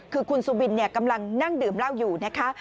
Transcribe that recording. คือคุณสุบินกำลังนั่งดื่มเหล้าอยู่นะคะ